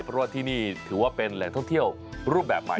เพราะว่าที่นี่ถือว่าเป็นแหล่งท่องเที่ยวรูปแบบใหม่